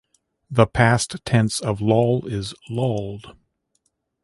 The past tense of lol is lolled.